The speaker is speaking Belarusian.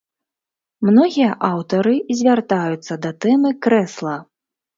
Многія аўтары звяртаюцца да тэмы крэсла.